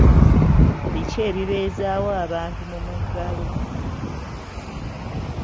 Biki ebibeezaawo abantu mu muggalo.